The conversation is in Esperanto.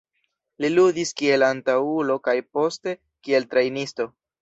Li ludis kiel antaŭulo kaj poste kiel trejnisto.